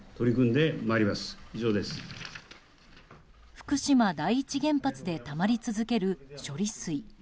福島第一原発でたまり続ける処理水。